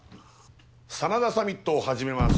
真田サミットを始めます。